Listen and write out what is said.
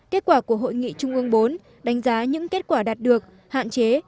kết quả của hội nghị trung ương bốn đánh giá những kết quả đạt được hạn chế